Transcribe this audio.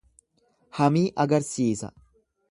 Hamii agarsiisa.